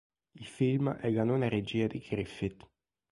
Il film è la nona regia di Griffith.